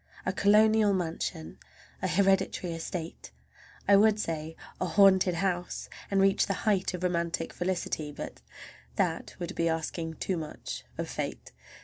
A colonial mansion, a hereditary estate, I would say a haunted house, and reach the height of romantic felicity—but that would be asking too much of fate!